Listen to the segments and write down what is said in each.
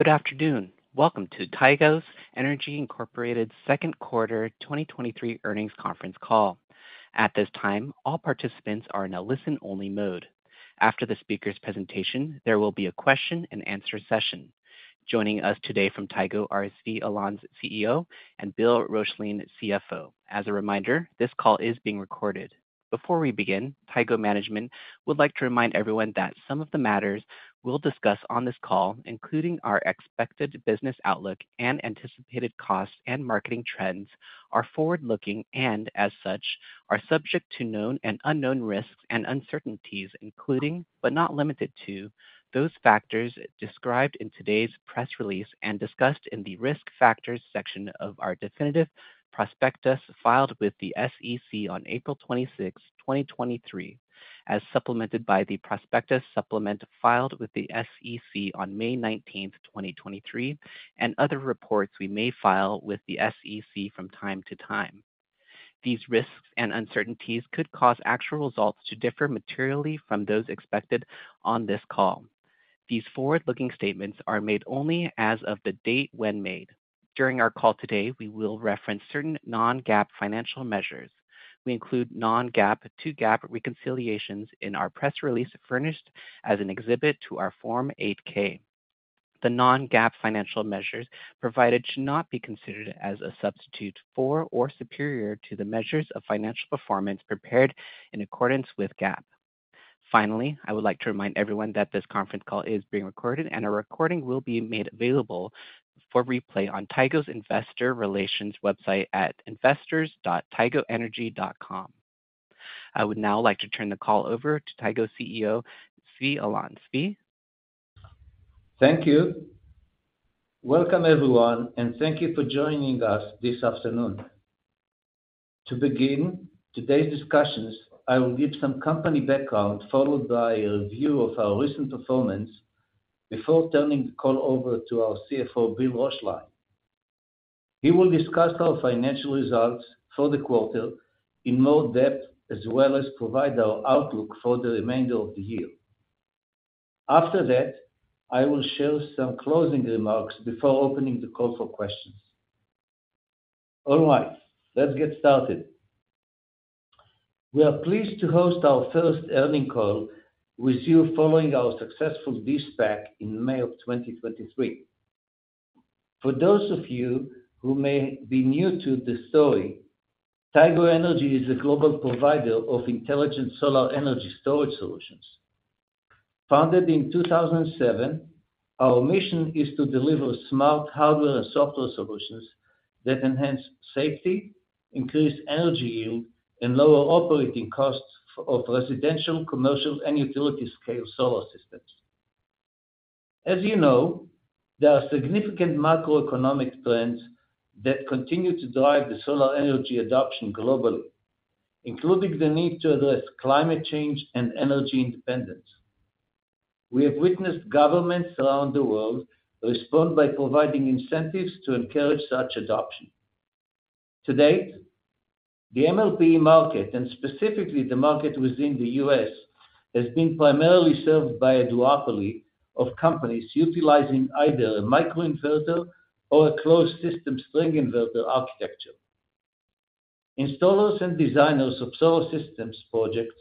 Good afternoon. Welcome to Tigo Energy Incorporated's second quarter 2023 earnings conference call. At this time, all participants are in a listen-only mode. After the speaker's presentation, there will be a question and answer session. Joining us today from Tigo are Zvi Alon, CEO, and Bill Roeschlein, CFO. As a reminder, this call is being recorded. Before we begin, Tigo management would like to remind everyone that some of the matters we'll discuss on this call, including our expected business outlook and anticipated costs and marketing trends, are forward-looking and as such, are subject to known and unknown risks and uncertainties, including but not limited to, those factors described in today's press release and discussed in the Risk Factors section of our definitive prospectus filed with the SEC on April 26, 2023, as supplemented by the prospectus supplement filed with the SEC on May 19th, 2023, and other reports we may file with the SEC from time to time. These risks and uncertainties could cause actual results to differ materially from those expected on this call. These forward-looking statements are made only as of the date when made. During our call today, we will reference certain non-GAAP financial measures. We include non-GAAP to GAAP reconciliations in our press release, furnished as an exhibit to our Form 8-K. The non-GAAP financial measures provided should not be considered as a substitute for or superior to the measures of financial performance prepared in accordance with GAAP. Finally, I would like to remind everyone that this conference call is being recorded, and a recording will be made available for replay on Tigo's Investor Relations website at investors.tigoenergy.com. I would now like to turn the call over to Tigo CEO, Zvi Alon. Zvi? Thank you. Welcome, everyone, and thank you for joining us this afternoon. To begin today's discussions, I will give some company background, followed by a review of our recent performance before turning the call over to our CFO, Bill Roeschlein. He will discuss our financial results for the quarter in more depth, as well as provide our outlook for the remainder of the year. After that, I will share some closing remarks before opening the call for questions. All right, let's get started. We are pleased to host our first earnings call with you following our successful de-SPAC in May of 2023. For those of you who may be new to the story, Tigo Energy is a global provider of intelligent solar energy storage solutions. Founded in 2007, our mission is to deliver smart hardware and software solutions that enhance safety, increase energy yield, and lower operating costs of residential, commercial, and utility scale solar systems. As you know, there are significant macroeconomic trends that continue to drive the solar energy adoption globally, including the need to address climate change and energy independence. We have witnessed governments around the world respond by providing incentives to encourage such adoption. To date, the MLPE market, and specifically the market within the U.S., has been primarily served by a duopoly of companies utilizing either a microinverter or a closed system string inverter architecture. Installers and designers of solar systems projects,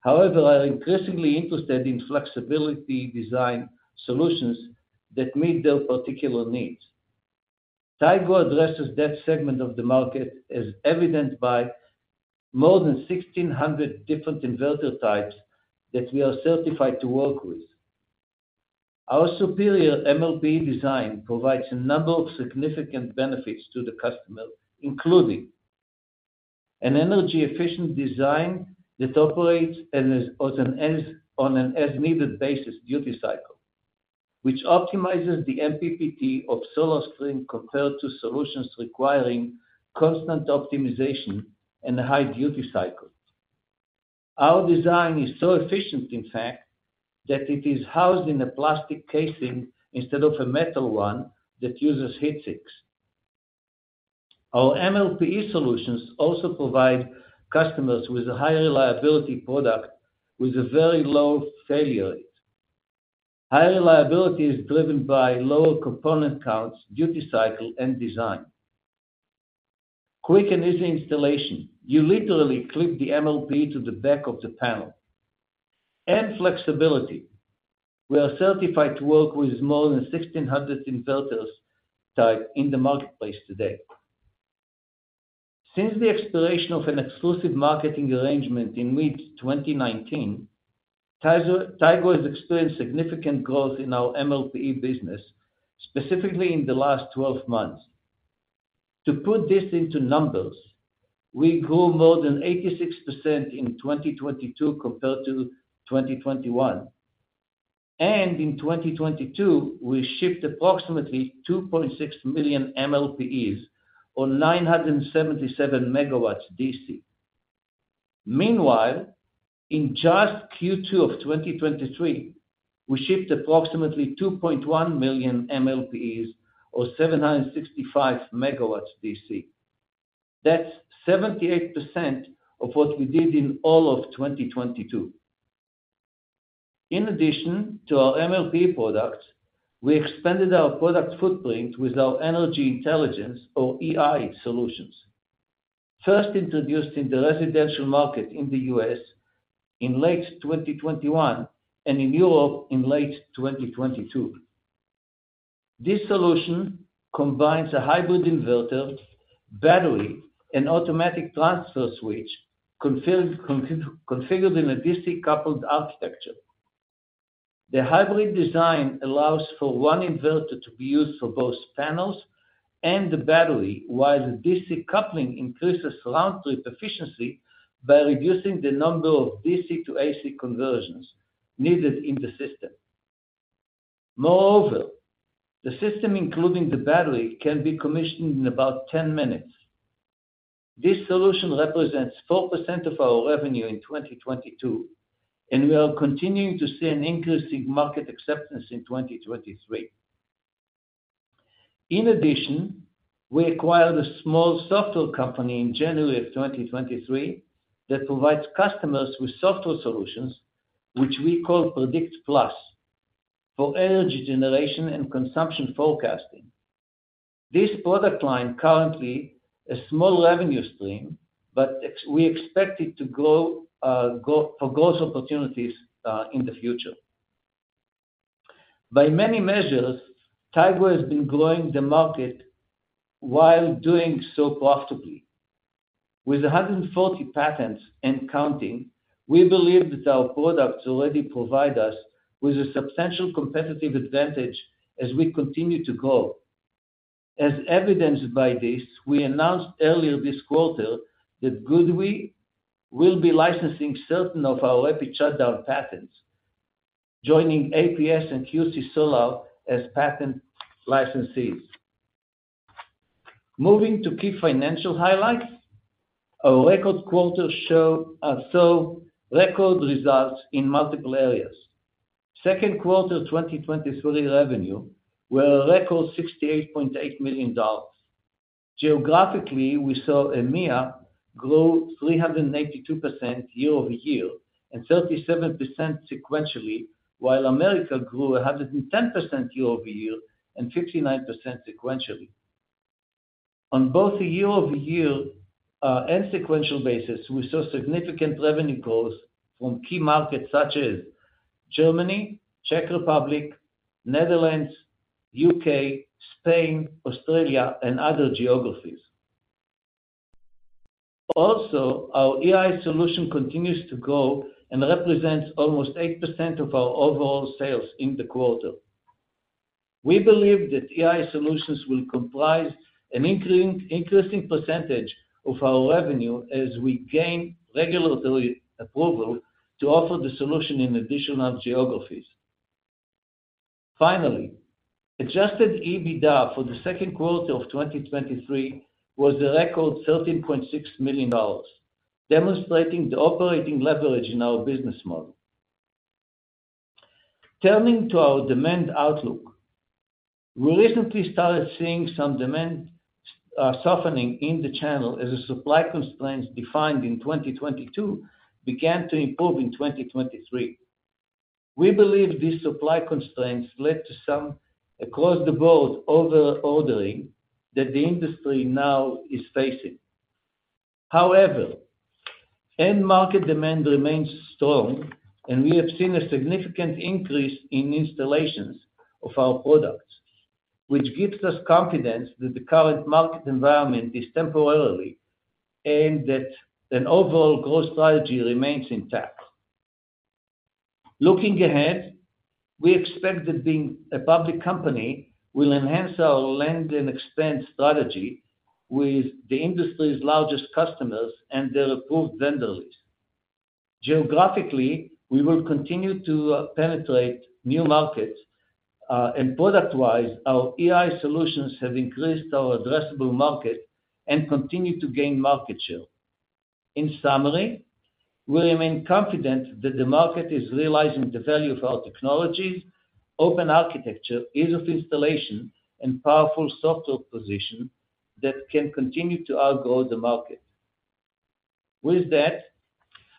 however, are increasingly interested in flexibility design solutions that meet their particular needs. Tigo addresses that segment of the market, as evidenced by more than 1,600 different inverter types that we are certified to work with. Our superior MLPE design provides a number of significant benefits to the customer, including an energy efficient design that operates and is on an as-needed basis duty cycle, which optimizes the MPPT of solar string, compared to solutions requiring constant optimization and a high duty cycle. Our design is so efficient, in fact, that it is housed in a plastic casing instead of a metal one that uses heat sinks. Our MLPE solutions also provide customers with a high reliability product, with a very low failure rate. High reliability is driven by lower component counts, duty cycle, and design. Quick and easy installation. You literally clip the MLPE to the back of the panel. Flexibility, we are certified to work with more than 1,600 inverters type in the marketplace today. Since the expiration of an exclusive marketing arrangement in mid-2019, Tigo has experienced significant growth in our MLPE business, specifically in the last 12 months. To put this into numbers, we grew more than 86% in 2022 compared to 2021, and in 2022, we shipped approximately 2.6 million MLPEs on 977 MW D.C. Meanwhile, in just Q2 of 2023, we shipped approximately 2.1 million MLPEs, or 765 MW D.C. That's 78% of what we did in all of 2022. In addition to our MLP products, we expanded our product footprint with our Energy Intelligence or EI solutions. First introduced in the residential market in the U.S. in late 2021, and in Europe in late 2022. This solution combines a hybrid inverter, battery, and automatic transfer switch, configured in a DC-coupled architecture. The hybrid design allows for one inverter to be used for both panels and the battery, while the DC coupling increases round trip efficiency by reducing the number of DC to AC conversions needed in the system. Moreover, the system, including the battery, can be commissioned in about 10 minutes. This solution represents 4% of our revenue in 2022, and we are continuing to see an increasing market acceptance in 2023. In addition, we acquired a small software company in January of 2023, that provides customers with software solutions, which we call Predict+, for energy generation and consumption forecasting. This product line currently a small revenue stream. We expect it to grow for growth opportunities in the future. By many measures, Tigo has been growing the market while doing so profitably. With 140 patents and counting, we believe that our products already provide us with a substantial competitive advantage as we continue to grow. As evidenced by this, we announced earlier this quarter that GoodWe will be licensing certain of our rapid shutdown patents, joining APsystems and QC Solar as patent licensees. Moving to key financial highlights, our record quarter saw record results in multiple areas. Second quarter 2023 revenue, were a record $68.8 million. Geographically, we saw EMEA grow 392% year-over-year, and 37% sequentially, while America grew 110% year-over-year and 59% sequentially. On both a year-over-year and sequential basis, we saw significant revenue growth from key markets such as Germany, Czech Republic, Netherlands, U.K., Spain, Australia, and other geographies. Our EI solution continues to grow and represents almost 8% of our overall sales in the quarter. We believe that EI solutions will comprise an increasing, increasing percentage of our revenue as we gain regulatory approval to offer the solution in additional geographies. Adjusted EBITDA for the second quarter of 2023 was a record $13.6 million, demonstrating the operating leverage in our business model. Turning to our demand outlook. We recently started seeing some demand softening in the channel as the supply constraints defined in 2022 began to improve in 2023. We believe these supply constraints led to some, across the board, over ordering that the industry now is facing. However, end market demand remains strong, and we have seen a significant increase in installations of our products, which gives us confidence that the current market environment is temporarily, and that an overall growth strategy remains intact. Looking ahead, we expect that being a public company will enhance our land and expand strategy with the industry's largest customers and their approved vendor list. Geographically, we will continue to penetrate new markets, and product wise, our EI solutions have increased our addressable market and continue to gain market share. In summary, we remain confident that the market is realizing the value of our technologies, open architecture, ease of installation, and powerful software position that can continue to outgrow the market. With that,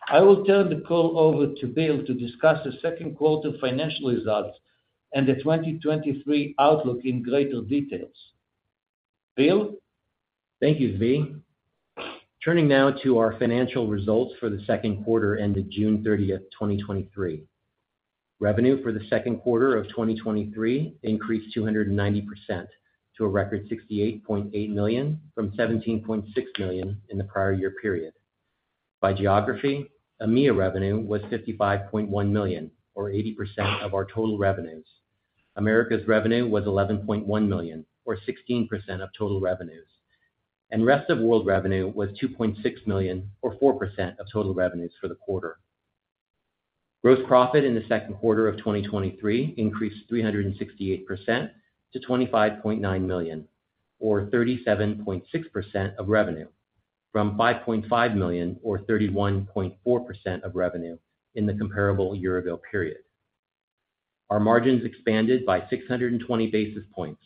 I will turn the call over to Bill to discuss the second quarter financial results and the 2023 outlook in greater details. Bill? Thank you, Zvi. Turning now to our financial results for the second quarter ended June 30th, 2023. Revenue for the second quarter of 2023 increased 290% to a record $68.8 million from $17.6 million in the prior year period. By geography, EMEA revenue was $55.1 million, or 80% of our total revenues. America's revenue was $11.1 million, or 16% of total revenues. Rest of world revenue was $2.6 million, or 4% of total revenues for the quarter. Gross profit in the second quarter of 2023 increased 368% to $25.9 million, or 37.6% of revenue, from $5.5 million or 31.4% of revenue in the comparable year ago period. Our margins expanded by 620 basis points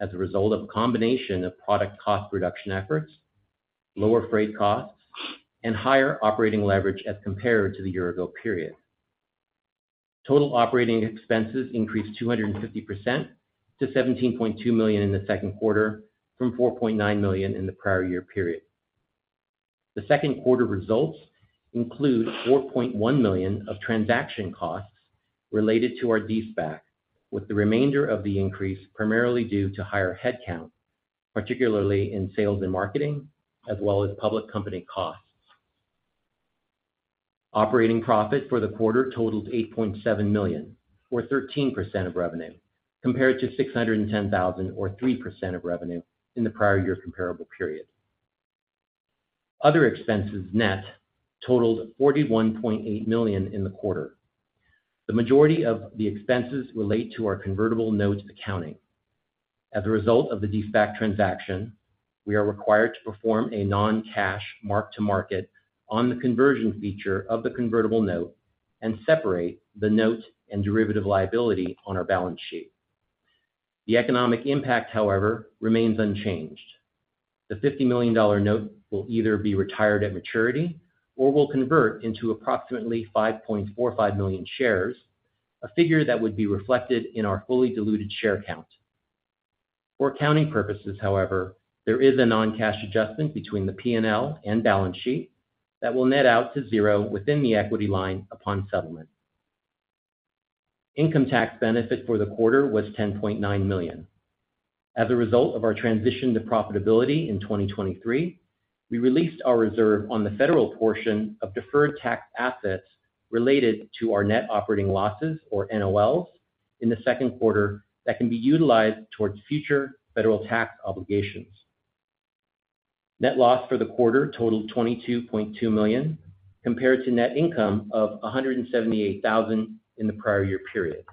as a result of a combination of product cost reduction efforts, lower freight costs, and higher operating leverage as compared to the year-ago period. Total operating expenses increased 250% to $17.2 million in the second quarter, from $4.9 million in the prior year period. The second quarter results include $4.1 million of transaction costs related to our de-SPAC, with the remainder of the increase primarily due to higher headcount, particularly in sales and marketing, as well as public company costs. Operating profit for the quarter totaled $8.7 million, or 13% of revenue, compared to $610,000, or 3% of revenue, in the prior year comparable period. Other expenses net totaled $41.8 million in the quarter. The majority of the expenses relate to our convertible notes accounting. As a result of the de-SPAC transaction, we are required to perform a non-cash mark-to-market on the conversion feature of the convertible note and separate the note and derivative liability on our balance sheet. The economic impact, however, remains unchanged. The $50 million note will either be retired at maturity or will convert into approximately 5.45 million shares, a figure that would be reflected in our fully diluted share count. For accounting purposes, however, there is a non-cash adjustment between the P&L and balance sheet that will net out to zero within the equity line upon settlement. Income tax benefit for the quarter was $10.9 million. As a result of our transition to profitability in 2023, we released our reserve on the federal portion of deferred tax assets related to our net operating losses, or NOLs, in the second quarter that can be utilized towards future federal tax obligations. Net loss for the quarter totaled $22.2 million, compared to net income of $178,000 in the prior year period.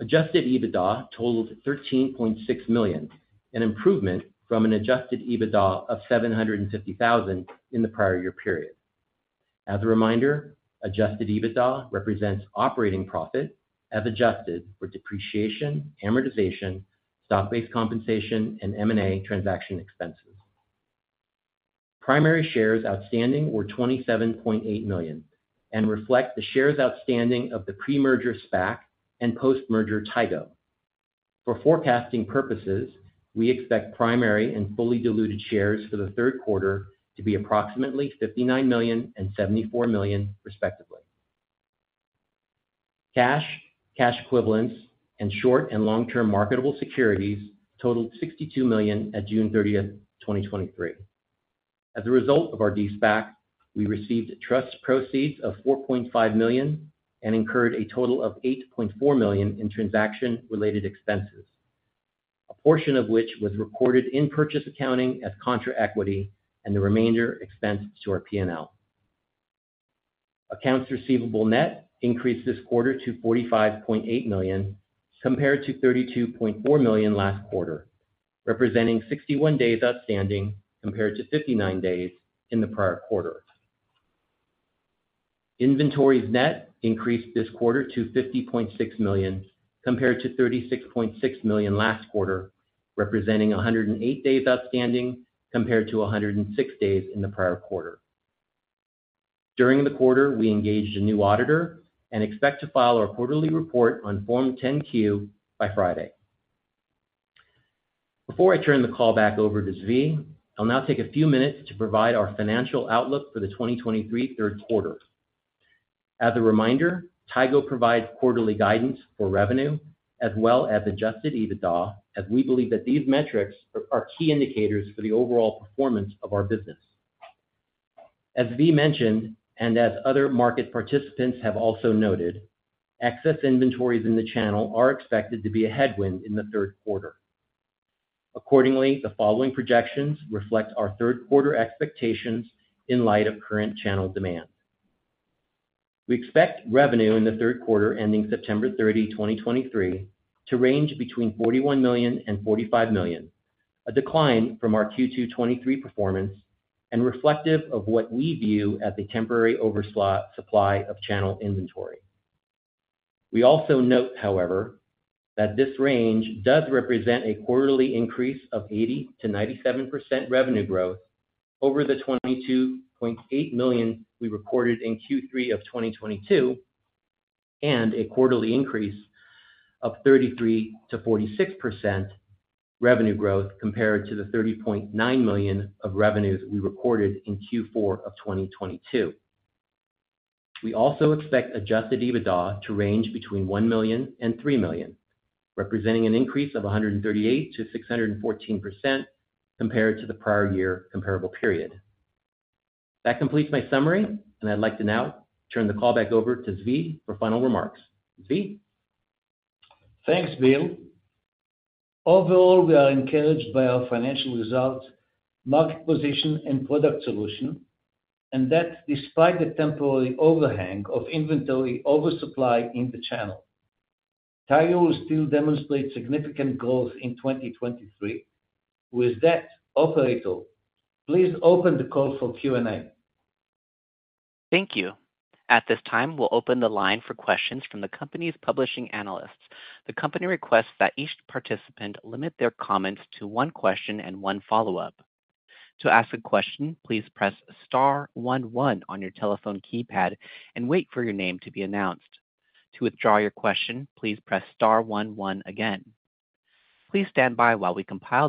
adjusted EBITDA totaled $13.6 million, an improvement from an adjusted EBITDA of $750,000 in the prior year period. As a reminder, adjusted EBITDA represents operating profit as adjusted for depreciation, amortization, stock-based compensation, and M&A transaction expenses. Primary shares outstanding were 27.8 million and reflect the shares outstanding of the pre-merger SPAC and post-merger Tigo. For forecasting purposes, we expect primary and fully diluted shares for the third quarter to be approximately $59 million and $74 million, respectively. Cash, cash equivalents, and short and long-term marketable securities totaled $62 million at June 30th, 2023. As a result of our de-SPAC, we received trust proceeds of $4.5 million and incurred a total of $8.4 million in transaction-related expenses, a portion of which was recorded in purchase accounting as contra equity and the remainder expensed to our P&L. Accounts receivable net increased this quarter to $45.8 million, compared to $32.4 million last quarter, representing 61 days outstanding, compared to 59 days in the prior quarter. Inventories net increased this quarter to $50.6 million, compared to $36.6 million last quarter, representing 108 days outstanding, compared to 106 days in the prior quarter. During the quarter, we engaged a new auditor and expect to file our quarterly report on Form 10-Q by Friday. Before I turn the call back over to Zvi, I'll now take a few minutes to provide our financial outlook for the 2023 third quarter. As a reminder, Tigo provides quarterly guidance for revenue as well as adjusted EBITDA, as we believe that these metrics are key indicators for the overall performance of our business. As Zvi mentioned, as other market participants have also noted, excess inventories in the channel are expected to be a headwind in the third quarter. Accordingly, the following projections reflect our third quarter expectations in light of current channel demand. We expect revenue in the third quarter, ending September 30, 2023, to range between $41 million and $45 million, a decline from our Q2 2023 performance and reflective of what we view as a temporary oversupply of channel inventory. We also note, however, that this range does represent a quarterly increase of 80%-97% revenue growth over the $22.8 million we recorded in Q3 of 2022, and a quarterly increase of 33%-46% revenue growth compared to the $30.9 million of revenues we recorded in Q4 of 2022. We also expect adjusted EBITDA to range between $1 million and $3 million, representing an increase of 138%-614% compared to the prior year comparable period. That completes my summary, and I'd like to now turn the call back over to Zvi for final remarks. Zvi? Thanks, Bill. Overall, we are encouraged by our financial results, market position, and product solution, that despite the temporary overhang of inventory oversupply in the channel. solar will still demonstrate significant growth in 2023. With that, operator, please open the call for Q&A. Thank you. At this time, we'll open the line for questions from the company's publishing analysts. The company requests that each participant limit their comments to one question and one follow-up. To ask a question, please press star one one on your telephone keypad and wait for your name to be announced. To withdraw your question, please press star one one again. Please stand by while we compile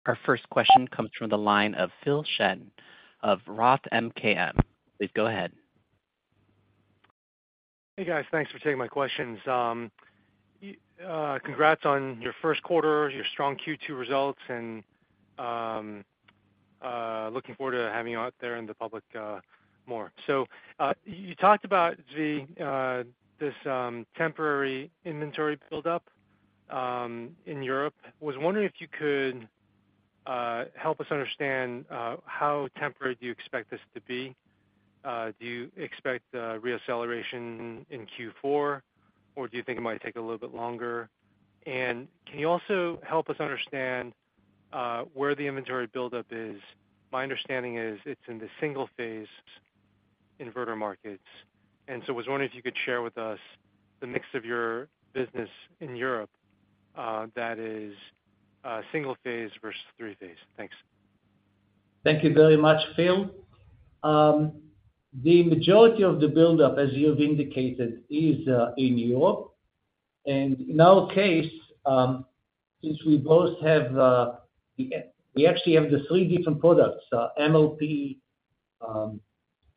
the Q&A roster. Our first question comes from the line of Phil Shen of ROTH MKM. Please go ahead. Hey, guys. Thanks for taking my questions. Congrats on your first quarter, your strong Q2 results, and looking forward to having you out there in the public, more. You talked about this temporary inventory buildup in Europe. Was wondering if you could help us understand how temporary do you expect this to be? Do you expect a reacceleration in Q4, or do you think it might take a little bit longer? Can you also help us understand where the inventory buildup is? My understanding is it's in the single-phase inverter markets, and so I was wondering if you could share with us the mix of your business in Europe, that is, single-phase versus three-phase? Thanks. Thank you very much, Phil. The majority of the buildup, as you've indicated, is in Europe. In our case, since we both have, we, we actually have the three different products, MLP,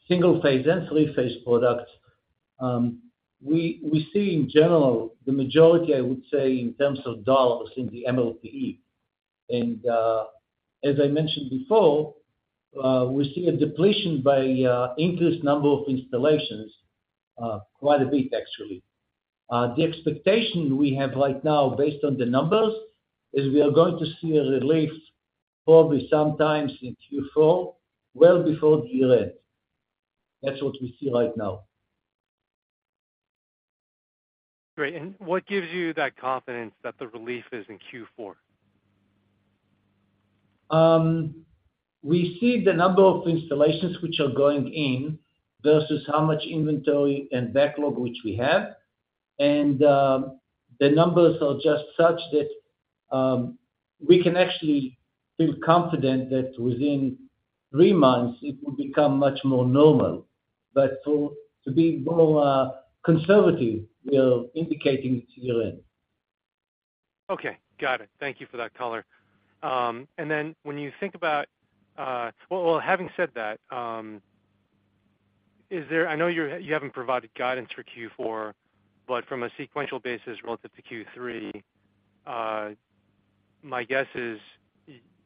single-phase, and three-phase products. We, we see in general, the majority, I would say, in terms of dollars, in the MLPE. As I mentioned before, we see a depletion by increased number of installations, quite a bit actually. The expectation we have right now based on the numbers, is we are going to see a relief probably sometime in Q4, well before year-end. That's what we see right now. Great. What gives you that confidence that the relief is in Q4? We see the number of installations which are going in versus how much inventory and backlog which we have. The numbers are just such that we can actually feel confident that within three months it will become much more normal. To be more conservative, we are indicating it to year-end. Okay, got it. Thank you for that color. Then when you think about, well, well, having said that, I know you haven't provided guidance for Q4, but from a sequential basis relative to Q3, my guess is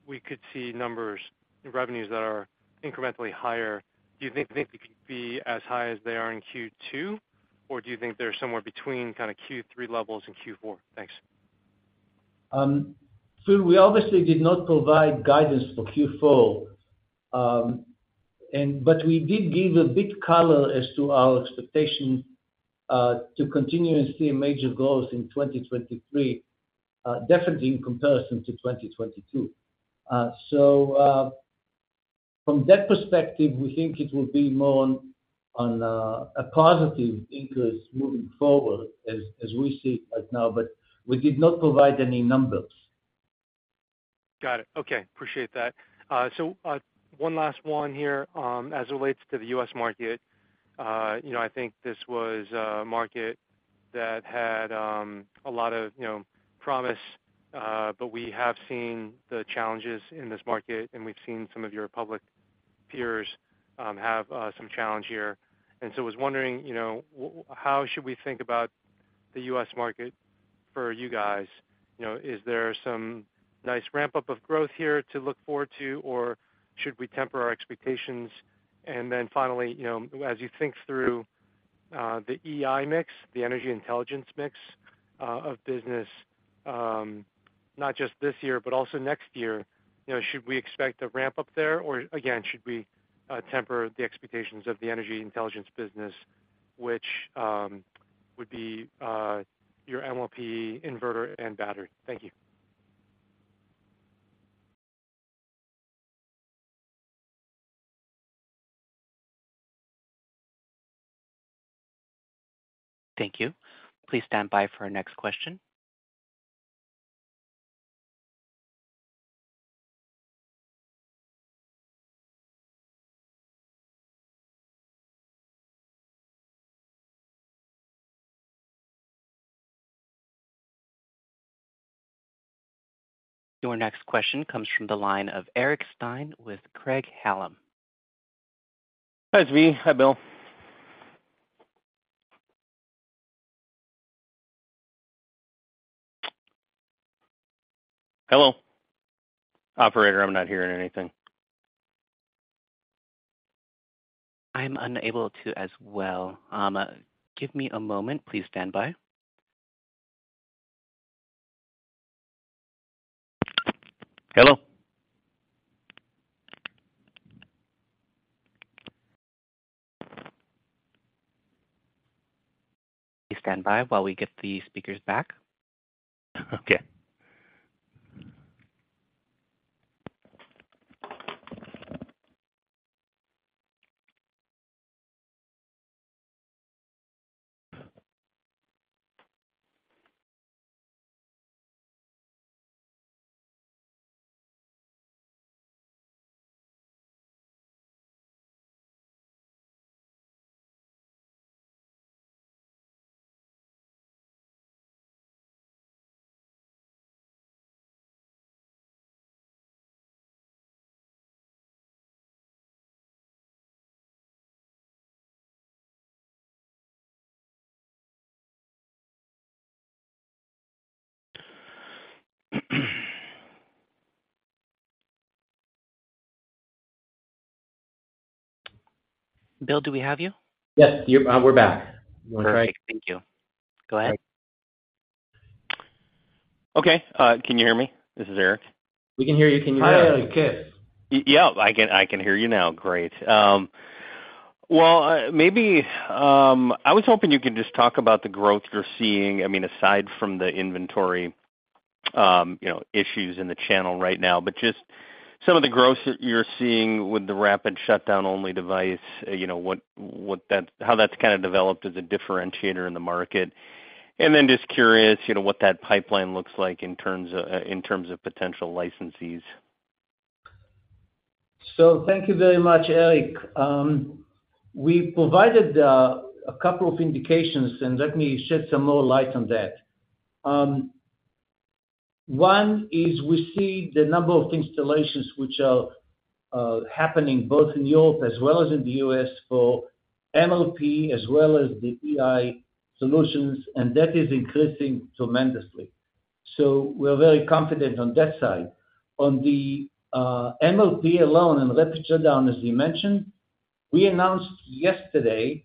we could see numbers in revenues that are incrementally higher. Do you think they could be as high as they are in Q2, or do you think they're somewhere between kind of Q3 levels and Q4? Thanks. Phil, we obviously did not provide guidance for Q4. We did give a bit color as to our expectation to continue to see a major growth in 2023, definitely in comparison to 2022. From that perspective, we think it will be more on, on, a positive increase moving forward as, as we see it right now, but we did not provide any numbers. Got it. Okay. Appreciate that. So, one last one here, as it relates to the U.S. market. You know, I think this was a market that had a lot of, you know, promise, but we have seen the challenges in this market, and we've seen some of your public peers have some challenge here. So I was wondering, you know, how should we think about the U.S. market for you guys? You know, is there some nice ramp-up of growth here to look forward to, or should we temper our expectations? Then finally, you know, as you think through the EI mix, the Energy Intelligence mix of business, not just this year, but also next year, you know, should we expect a ramp-up there, or again, should we temper the expectations of the Energy Intelligence business, which would be your MLP inverter and battery? Thank you. Thank you. Please stand by for our next question. Your next question comes from the line of Eric Stine with Craig-Hallum. It's me. Hi, Bill. Hello? Operator, I'm not hearing anything. I'm unable to as well. Give me a moment. Please stand by. Hello? Please stand by while we get the speakers back. Okay. Bill, do we have you? Yes, we're back. Perfect. Thank you. Go ahead. Okay. Can you hear me? This is Eric. We can hear you. Can you hear us? Yeah, I can hear you now. Great. Well, maybe I was hoping you could just talk about the growth you're seeing. I mean, aside from the inventory, you know, issues in the channel right now, but just some of the growth that you're seeing with the rapid shutdown only device, you know, how that's kind of developed as a differentiator in the market. Then just curious, you know, what that pipeline looks like in terms of, in terms of potential licensees. Thank you very much, Eric. We provided a couple of indications, and let me shed some more light on that. One is we see the number of installations which are happening both in Europe as well as in the US for MLP, as well as the EI solutions, and that is increasing tremendously. We're very confident on that side. On the MLP alone, and rapid shutdown, as you mentioned, we announced yesterday,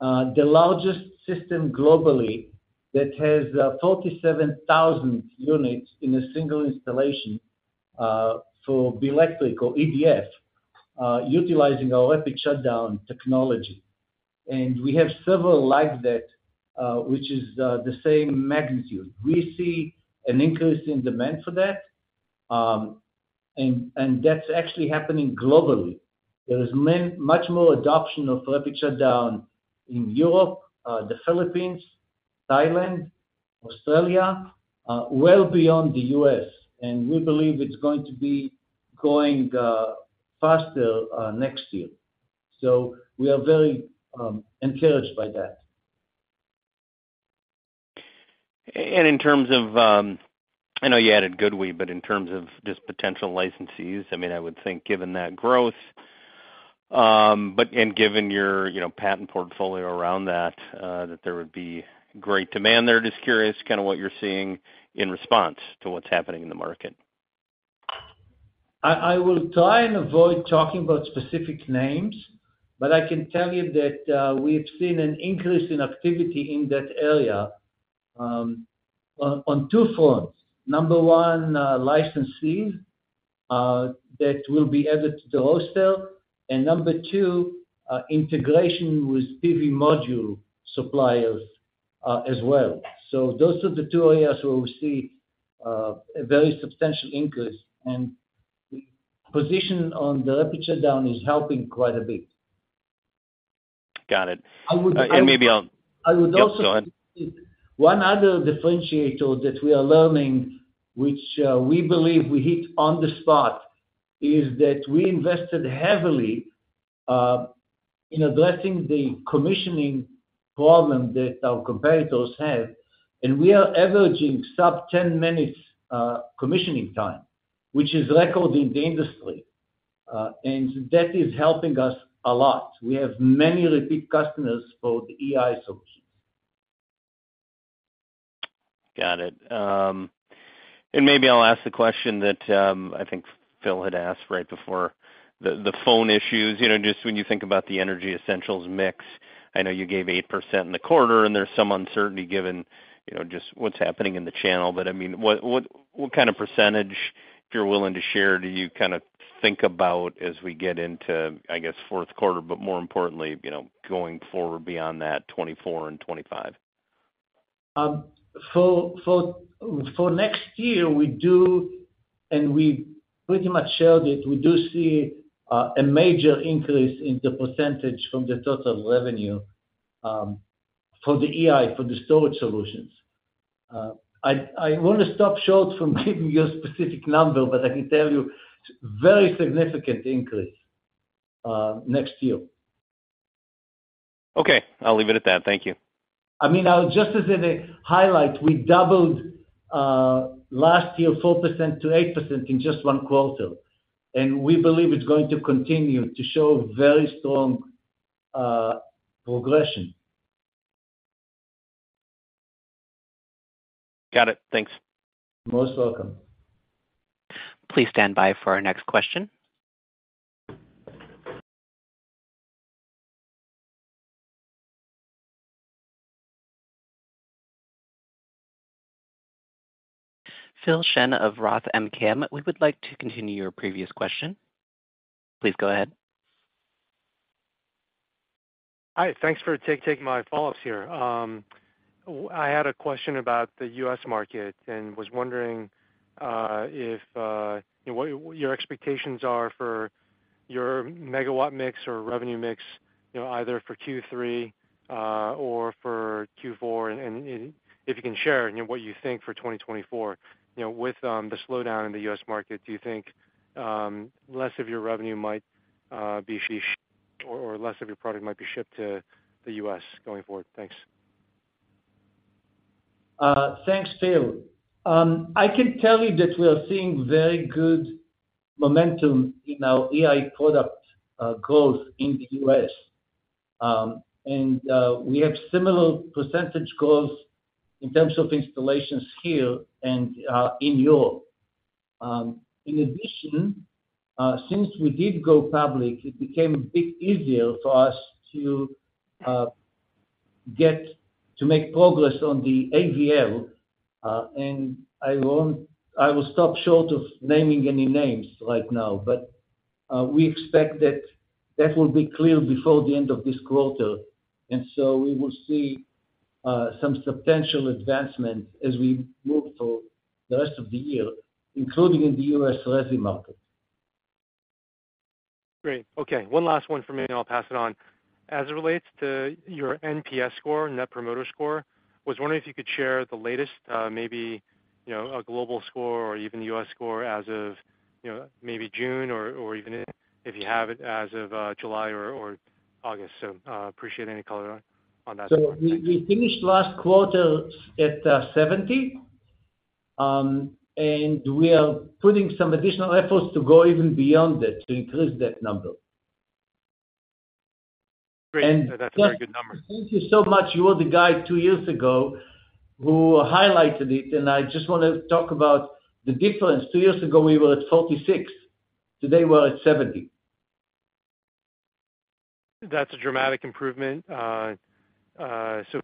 the largest system globally that has 47,000 units in a single installation, for BELECTRIC EDF, utilizing our rapid shutdown technology. We have several like that, which is the same magnitude. We see an increase in demand for that, and, and that's actually happening globally. There is much more adoption of rapid shutdown in Europe, the Philippines, Thailand, Australia, well beyond the U.S., and we believe it's going to be going faster next year. We are very encouraged by that. In terms of, I know you added GoodWe, but in terms of just potential licensees, I mean, I would think given that growth, but given your, you know, patent portfolio around that, that there would be great demand there. Just curious, kind of what you're seeing in response to what's happening in the market. I, I will try and avoid talking about specific names, but I can tell you that we've seen an increase in activity in that area, on, on two fronts. Number one, licensees, that will be added to the roster, and number two, integration with PV module suppliers, as well. Those are the two areas where we see a very substantial increase, and position on the rapid shutdown is helping quite a bit. Got it. I would- Maybe. I would also. Yep, go ahead. One other differentiator that we are learning, which, we believe we hit on the spot, is that we invested heavily in addressing the commissioning problem that our competitors have, and we are averaging sub 10 minutes commissioning time, which is record in the industry, and that is helping us a lot. We have many repeat customers for the EI solutions. Got it. Maybe I'll ask the question that, I think Phil had asked right before, the, the phone issues. You know, just when you think about the Tigo Energy Essentials mix, I know you gave 8% in the quarter, and there's some uncertainty given, you know, just what's happening in the channel. I mean, what, what, what kind of percentage, if you're willing to share, do you kind of think about as we get into, I guess, fourth quarter, but more importantly, you know, going forward beyond that, 2024 and 2025? For, for, for next year, we do, and we pretty much shared it. We do see a major increase in the percentage from the total revenue, for the EI, for the storage solutions. I, I want to stop short from giving you a specific number, but I can tell you very significant increase next year. Okay. I'll leave it at that. Thank you. I mean, just as a highlight, we doubled, last year, 4% to 8% in just one quarter, and we believe it's going to continue to show very strong progression. Got it. Thanks. Most welcome. Please stand by for our next question. Phil Shen of ROTH MKM, we would like to continue your previous question. Please go ahead. Hi, thanks for taking my follow-up here. I had a question about the U.S. market and was wondering if, you know, what your expectations are for your megawatt mix or revenue mix, you know, either for Q3 or for Q4, and if you can share, you know, what you think for 2024? You know, with the slowdown in the U.S. market, do you think less of your revenue might be or, or less of your product might be shipped to the U.S. going forward? Thanks. Thanks, Phil. I can tell you that we are seeing very good momentum in our AI product growth in the U.S.. We have similar percentage growth in terms of installations here and in Europe. In addition, since we did go public, it became a bit easier for us to get to make progress on the AVL. I won't... I will stop short of naming any names right now, but we expect that that will be clear before the end of this quarter, and so we will see some substantial advancement as we move through the rest of the year, including in the U.S. resi market. Great. Okay, one last one for me, and I'll pass it on. As it relates to your NPS score, Net Promoter Score, was wondering if you could share the latest, maybe, you know, a global score or even U.S. score as of, you know, maybe June or, or even if you have it as of, July or, or August? Appreciate any color on that. We, we finished last quarter at 70, and we are putting some additional efforts to go even beyond that, to increase that number. Great. And- That's a very good number. Thank you so much. You were the guy two years ago who highlighted it. I just want to talk about the difference. Two years ago, we were at 46. Today, we're at 70. That's a dramatic improvement.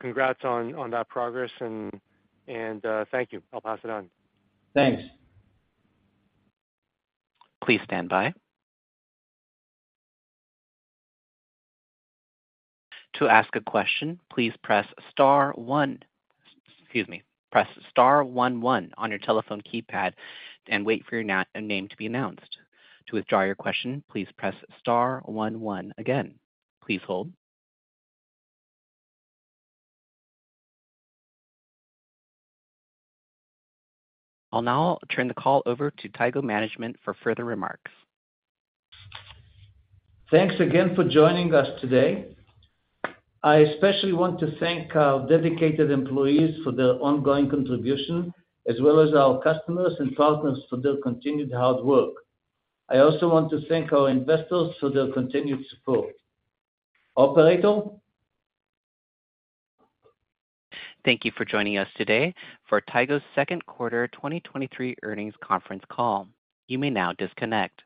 Congrats on, on that progress and, and, thank you. I'll pass it on. Thanks. Please stand by. To ask a question, please press star one. Excuse me, press star 11 on your telephone keypad and wait for your name to be announced. To withdraw your question, please press star 11 again. Please hold. I'll now turn the call over to Tigo management for further remarks. Thanks again for joining us today. I especially want to thank our dedicated employees for their ongoing contribution, as well as our customers and partners for their continued hard work. I also want to thank our investors for their continued support. Operator? Thank you for joining us today for Tigo's second quarter 2023 earnings conference call. You may now disconnect.